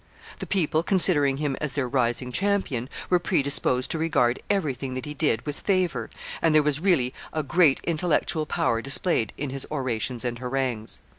The people, considering him as their rising champion, were predisposed to regard every thing that he did with favor, and there was really a great intellectual power displayed in his orations and harangues.